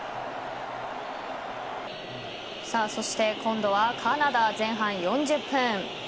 さあそして今度はカナダ前半４０分。